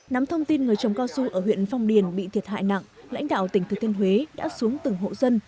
nắm thông tin người trồng cao su ở huyện phong điền bị thiệt hại nặng lãnh đạo tỉnh thừa thiên huế đã xuống từng hộ dân